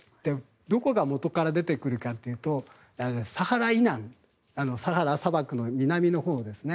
どこが元から出てくるかというとサハラ以南サハラ砂漠の南のほうですね。